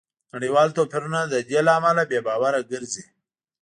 نړیوال توپیرونه د دې له امله بې باوره ګرځي